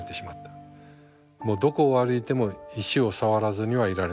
もうどこを歩いても石を触らずにはいられない。